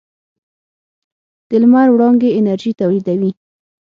د لمر وړانګې انرژي تولیدوي.